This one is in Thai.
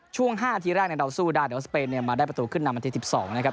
ช่วง๕อาทิตย์แรกเนี่ยเราสู้ด้านเดี๋ยวสเปนเนี่ยมาได้ประตูขึ้นนำอาทิตย์๑๒นะครับ